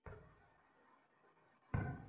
ধন্যবাদ দেয়া লাগবে না।